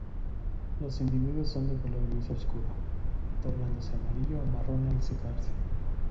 Los individuos son de color gris oscuro, tornándose amarillo o marrón al secarse.